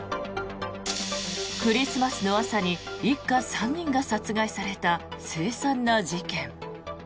クリスマスの朝に一家３人が殺害されたせい惨な事件。